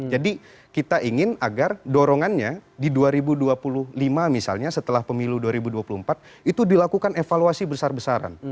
jadi kita ingin agar dorongannya di dua ribu dua puluh lima misalnya setelah pemilu dua ribu dua puluh empat itu dilakukan evaluasi besar besaran